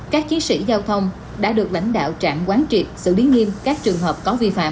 các chiến sĩ giao thông đã được lãnh đạo trạm quán triệt xử lý nghiêm các trường hợp có vi phạm